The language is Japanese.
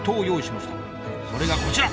それがこちら！